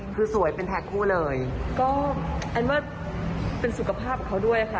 คือสวยเป็นแพ้คู่เลยก็แอนว่าเป็นสุขภาพของเขาด้วยค่ะ